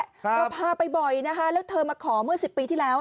เราพาไปบ่อยนะคะแล้วเธอมาขอเมื่อ๑๐ปีที่แล้ว